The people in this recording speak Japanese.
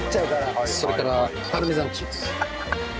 それからパルメザンチーズ。